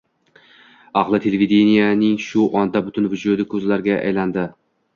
Ahli televideniyening shu onda butun vujudi ko‘zlarga aylandi.